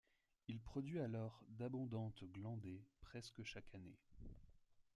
Il produit alors d'abondantes glandaies presque chaque année.